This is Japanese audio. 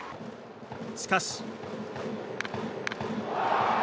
しかし。